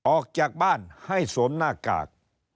ออกจากบ้านให้สวมหน้ากาก